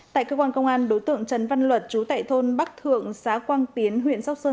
tại cơ quan công an đối tượng trần văn luật chú tại thôn bắc thượng xã quang tiến huyện sóc sơn